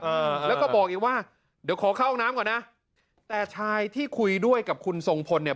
เออแล้วก็บอกอีกว่าเดี๋ยวขอเข้าห้องน้ำก่อนนะแต่ชายที่คุยด้วยกับคุณทรงพลเนี่ย